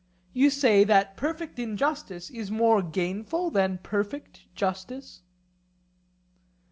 You say that perfect injustice is more gainful than perfect justice?